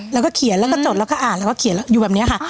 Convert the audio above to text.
แล้วก็เขียนแล้วก็จดแล้วก็อ่านแล้วก็เขียนอยู่แบบนี้ค่ะ